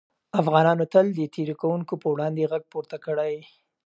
افغانانو تل د تېري کوونکو پر وړاندې غږ پورته کړی.